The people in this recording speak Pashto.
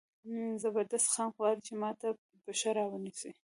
زبردست خان غواړي چې ما ته پښه را ونیسي.